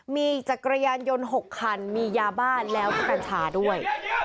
มีจักรยานยนต์๖คันมียาบ้าแล้วก็กัญชาด้วย